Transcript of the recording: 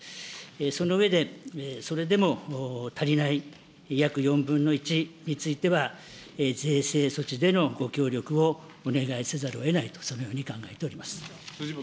その上で、それでも足りない約４分の１については、税制措置でのご協力をお願いせざるをえないと、そのように考えております。